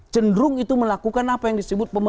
cenderung itu melakukan apa yang disebut